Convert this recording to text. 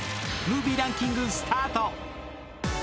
ムービーランキングスタート。